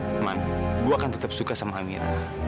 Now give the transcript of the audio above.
teman saya akan tetap suka dengan amira